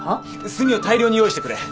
墨を大量に用意してくれ。